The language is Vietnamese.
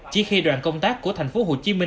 chỉ khi đoàn công tác của tp hcm